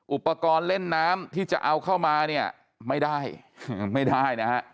อุปกรณ์เล่นน้ำที่จะเอาเข้ามาเนี่ยไม่ได้ไม่ได้นะฮะ